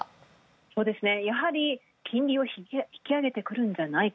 そうですね、やはり金利を引き上げてくるんじゃないか。